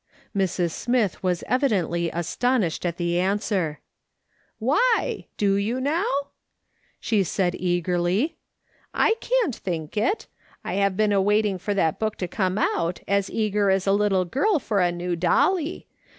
Mrs. Smith was evidently astonished at the answer, " Why ? Do you now ?" she said eagerly, " I can't think it, I have been awaiting for that book to come out as eager as a little girl for a new dolly.